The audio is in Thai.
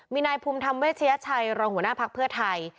มีนายภูมิธรรมเวชยชัยรองหัวหน้าภักดิ์เพื่อไทย